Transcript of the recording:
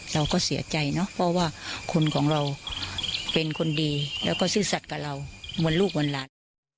เราก็เสียใจเนอะเพราะว่าคนของเราเป็นคนดีแล้วก็ซื่อสัตว์กับเราเหมือนลูกวันหลาน